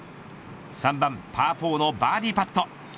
３番パー４のバーディーパット。